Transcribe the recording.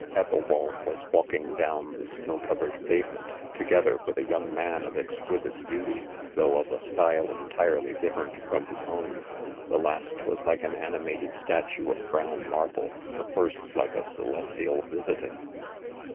Ethelwald was walking down the snow covered pavement, together. with a young man ■ of exquisite beauty, though of a style entirely different from his own. The last was like" an animated statue of brown* mar ble j the first like a celestial visitant.